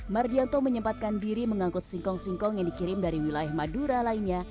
mardianto menyempatkan diri mengangkut singkong singkong yang dikirim dari wilayah madura lainnya